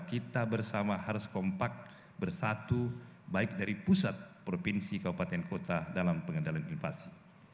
kita bersama harus kompak bersatu baik dari pusat provinsi kabupaten kota dalam pengendalian invasi